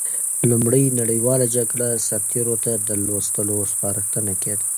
لومړۍ نړیواله جګړه سرتېرو ته د لوستلو سپارښتنه کېده.